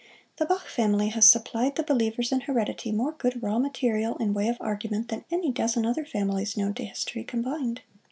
The Bach family has supplied the believers in heredity more good raw material in way of argument than any dozen other families known to history, combined.